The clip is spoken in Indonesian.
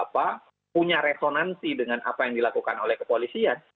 punya resonansi dengan apa yang dilakukan oleh kepolisian